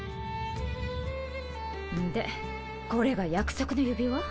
んでこれが約束の指輪？